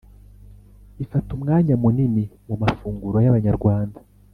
bifata umwanya munini mu mafunguro y’abanyarwanda.